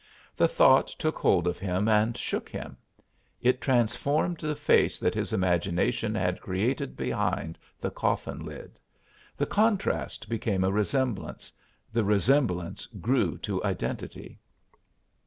The thought took hold of him and shook him. It transformed the face that his imagination had created behind the coffin lid; the contrast became a resemblance; the resemblance grew to identity.